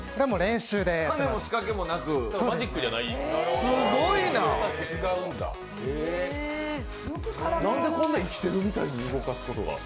種も仕掛けもなく、すごいななんでこんな生きてるみたいに動かすことが？